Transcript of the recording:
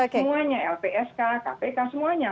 semuanya lpsk kpk semuanya